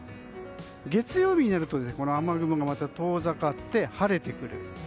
月曜日になると雨雲が遠ざかって晴れてくる。